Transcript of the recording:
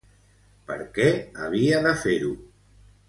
Per què havia de fer-ho?